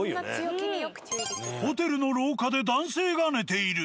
ホテルの廊下で男性が寝ている。